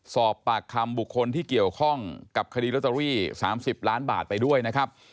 สอบปากคำบุคคลที่เกี่ยวข้องกับคดีลอตเตอรี่๓๐ล้านบาทไปด้วยนะครับ